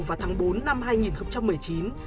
vào tháng bốn năm hai nghìn một mươi chín